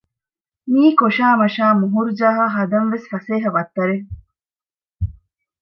މީ ކޮށައި މަށައި މޮހޮރުޖަހާ ހަދަން ވެސް ފަސޭހަ ވައްތަރެއް